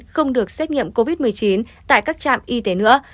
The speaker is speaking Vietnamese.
không được xét nghiệm covid một mươi chín tại các trạm y tế nữa